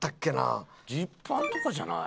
ジーパンとかじゃない？